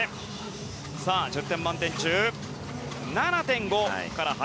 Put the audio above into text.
１０点満点中、７．５から８。